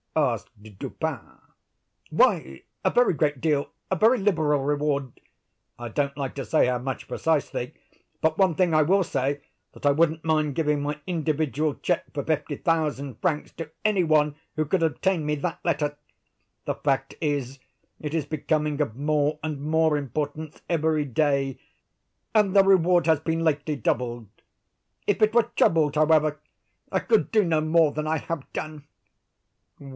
asked Dupin. "Why, a very great deal—a very liberal reward—I don't like to say how much, precisely; but one thing I will say, that I wouldn't mind giving my individual check for fifty thousand francs to any one who could obtain me that letter. The fact is, it is becoming of more and more importance every day; and the reward has been lately doubled. If it were trebled, however, I could do no more than I have done."